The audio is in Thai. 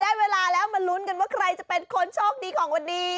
เวลาแล้วมาลุ้นกันว่าใครจะเป็นคนโชคดีของวันนี้